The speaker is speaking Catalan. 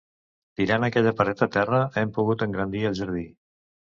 Tirant aquella paret a terra, hem pogut engrandir el jardí.